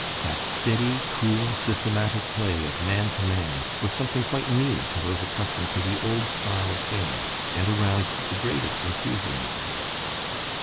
That steady, cool, systematic play of man to man was something quite new to those accustomed to the old style of game, and aroused the greatest enthusiasm.